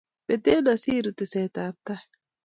Mete asirun teset ab tai